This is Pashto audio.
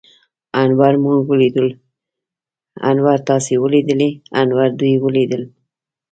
انور موږ وليدلو. انور تاسې وليدليٙ؟ انور دوی وليدل.